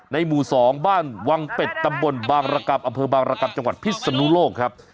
หมู่๒บ้านวังเป็ดตำบลบางรกรรมอำเภอบางรกรรมจังหวัดพิศนุโลกครับ